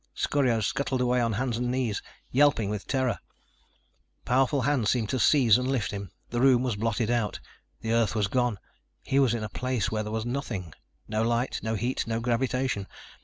Scorio scuttled away on hands and knees, yelping with terror. Powerful hands seemed to seize and lift him. The room was blotted out. The Earth was gone. He was in a place where there was nothing. No light, no heat, no gravitation.